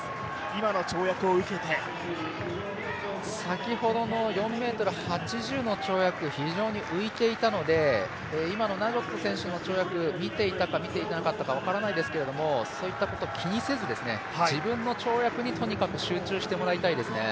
今の跳躍を受けて先ほどの４ｍ８０の跳躍、非常に浮いていたので今のナジョット選手の跳躍見ていたか分からないですけど、そういったことを気にせず自分の跳躍にとにかく集中してもらいたいですね。